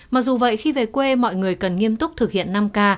mặc dù vậy khi về quê mọi người cần nghiêm túc thực hiện năm k